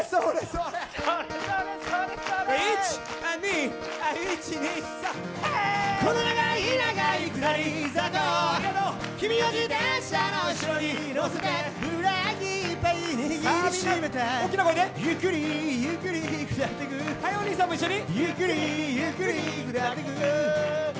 はいおにいさんも一緒に。